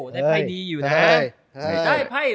ในไภสุดมือ